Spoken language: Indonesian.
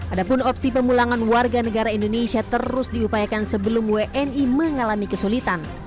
ada pun opsi pemulangan warga negara indonesia terus diupayakan sebelum wni mengalami kesulitan